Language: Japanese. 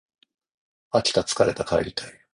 飽きた疲れた帰りたい